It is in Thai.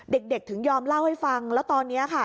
เด็กถึงยอมเล่าให้ฟังแล้วตอนนี้ค่ะ